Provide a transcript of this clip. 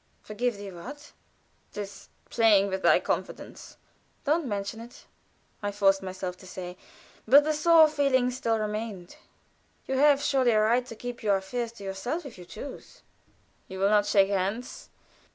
"Forgive thee what?" "This playing with thy confidence." "Don't mention it," I forced myself to say, but the sore feeling still remained. "You have surely a right to keep your affairs to yourself if you choose." "You will not shake hands?